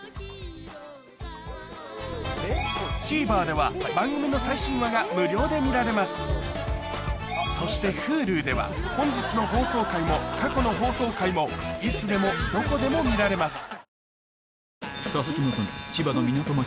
ＴＶｅｒでは番組の最新話が無料で見られますそしてＨｕｌｕでは本日の放送回も過去の放送回もいつでもどこでも見られます